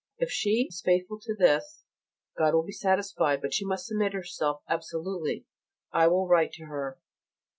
If she is faithful to this, God will be satisfied, but she must submit herself absolutely. I will write to her.